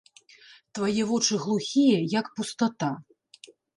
Твае вочы глухія, як пустата.